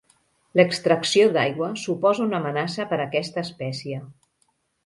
L'extracció d'aigua suposa una amenaça per a aquesta espècie.